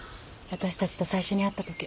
私たちと最初に会った時。